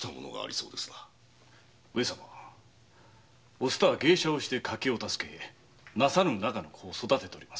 お蔦は芸者をして家計を助け生さぬ仲の子を育てております。